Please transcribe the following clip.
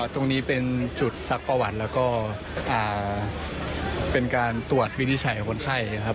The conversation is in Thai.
ตรงนี้เป็นจุดซักประวัติแล้วก็เป็นการตรวจวินิจฉัยของคนไข้นะครับ